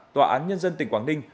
tòa án nhân dân tỉnh quảng ninh